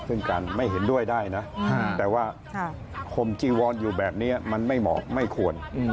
ซึ่งการไม่เห็นด้วยได้นะแต่ว่าคมจีวอนอยู่แบบนี้มันไม่เหมาะไม่ควร